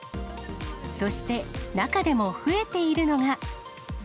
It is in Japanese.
そして、中でも増えているのが。